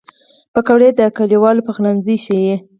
پکورې د کلیوالو پخلنځی ښيي